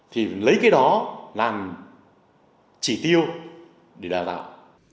thì lấy cái đó làm chỉ tiêu để đào tạo